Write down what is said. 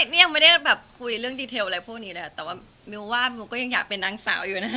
นี่ยังไม่ได้แบบคุยเรื่องดีเทลอะไรพวกนี้นะคะแต่ว่ามิวว่ามิวก็ยังอยากเป็นนางสาวอยู่นะคะ